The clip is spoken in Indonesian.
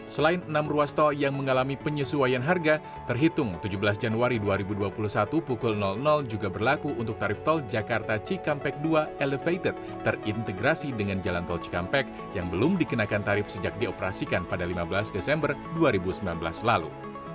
selain enam ruas tol yang mengalami penyesuaian harga terhitung tujuh belas januari dua ribu dua puluh satu pukul juga berlaku untuk tarif tol jakarta cikampek dua elevated terintegrasi dengan jalan tol cikampek yang belum dikenakan tarif sejak dioperasikan pada lima belas desember dua ribu sembilan belas lalu